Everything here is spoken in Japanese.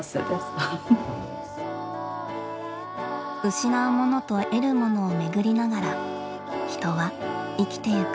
失うものと得るものをめぐりながら人は生きてゆく。